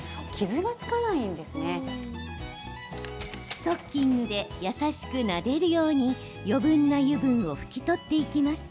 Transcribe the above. ストッキングで優しくなでるように余分な油分を拭き取っていきます。